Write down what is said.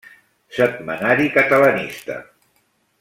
Setmanari catalanista.